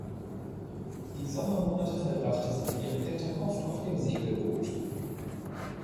Die Sommermonate verbrachte sie mit ihren Eltern oft auf dem Segelboot.